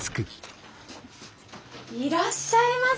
いらっしゃいませ。